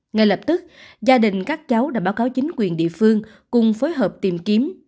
ngay lập tức gia đình các cháu đã báo cáo chính quyền địa phương cùng phối hợp tìm kiếm